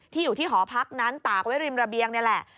อยู่ที่หอพักนั้นตากไว้ริมระเบียงนี่แหละ